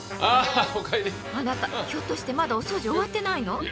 あなたひょっとしてまだお掃除終わってないの？